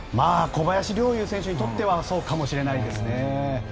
小林陵侑選手にとってはそうかもしれないですね。